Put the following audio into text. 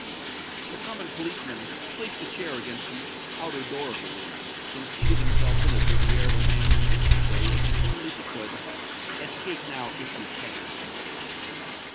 The common policeman placed a chair against the outer door of the room, and seated himself in it with the air of a man who meant to say as plainly as he could, "Escape now if you can."